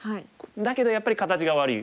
だけどやっぱり形が悪い。